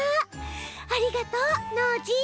ありがとうノージー！